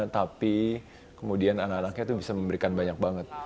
tapi kemudian anak anaknya itu bisa memberikan banyak banget